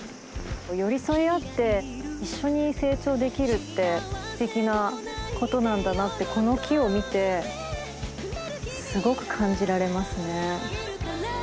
寄り添い合って一緒に成長できるってすてきなことなんだなってこの木を見てすごく感じられますね。